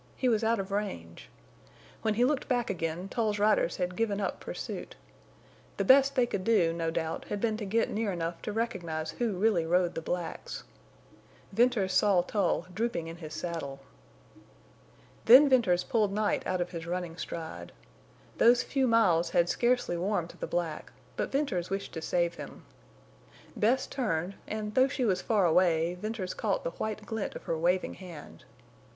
He was out of range. When he looked back again Tull's riders had given up pursuit. The best they could do, no doubt, had been to get near enough to recognize who really rode the blacks. Venters saw Tull drooping in his saddle. Then Venters pulled Night out of his running stride. Those few miles had scarcely warmed the black, but Venters wished to save him. Bess turned, and, though she was far away, Venters caught the white glint of her waving hand.